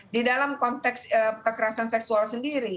di dalam konteks kekerasan seksual sendiri